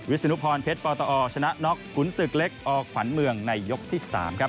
ศนุพรเพชรปตอชนะน็อกขุนศึกเล็กอขวัญเมืองในยกที่๓ครับ